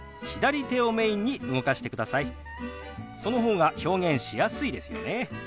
その方が表現しやすいですよね。